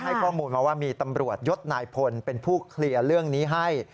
ให้ข้อมูลมาว่ามีตำรวจยศนายพลเป็นผู้เคลียร์เรื่องนี้ให้